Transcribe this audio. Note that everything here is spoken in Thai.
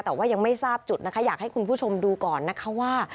แต่ว่ายังไม่ทราบจุดนะคะอยากให้คุณผู้ชมดูก่อนนะคะว่า